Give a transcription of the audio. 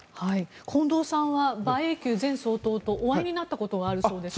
近藤さんは馬英九前総統とお会いになったことがあるそうですね。